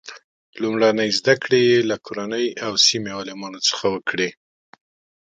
لومړنۍ زده کړې یې له کورنۍ او سیمې عالمانو څخه وکړې.